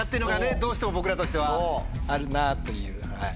どうしても僕らとしてはあるなぁという。